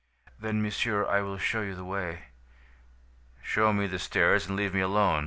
"'Then, monsieur, I will show you the way.' "'Show me the stairs and leave me alone.